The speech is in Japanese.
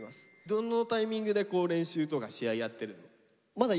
どのタイミングで練習とか試合やってるの？